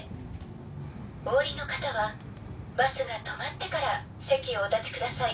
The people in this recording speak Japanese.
お降りの方はバスが止まってから席をお立ちください」。